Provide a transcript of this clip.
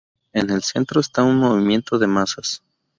En el centro está un movimiento de masas.